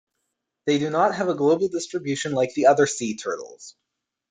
They do not have a global distribution like the other sea turtles.